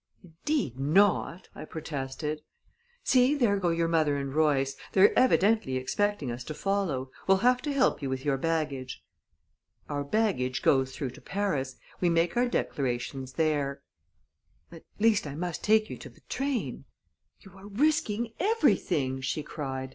"Indeed, not!" I protested. "See, there go your mother and Royce. They're evidently expecting us to follow. We'll have to help you with your baggage." "Our baggage goes through to Paris we make our declarations there." "At least, I must take you to the train." "You are risking everything!" she cried.